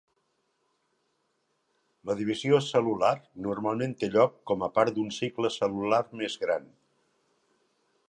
La divisió cel·lular normalment té lloc com a part d'un cicle cel·lular més gran.